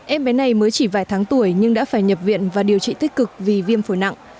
em bé này mới chỉ vài tháng tuổi nhưng đã phải nhập viện và điều trị tích cực vì viêm phổi nặng